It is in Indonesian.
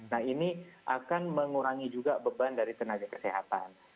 nah ini akan mengurangi juga beban dari tenaga kesehatan